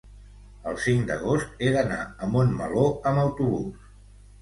el cinc d'agost he d'anar a Montmeló amb autobús.